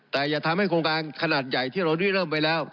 แต่อย่าทำให้โครงการขนาดใหญ่ที่เราได้เริ่มไปแล้ว